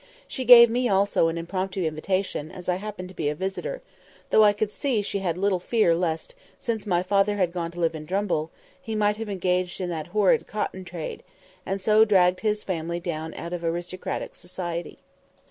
She gave me also an impromptu invitation, as I happened to be a visitor—though I could see she had a little fear lest, since my father had gone to live in Drumble, he might have engaged in that "horrid cotton trade," and so dragged his family down out of "aristocratic society."